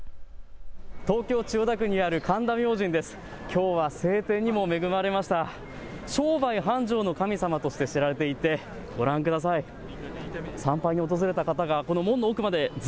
東京千代田区にある神田明神です。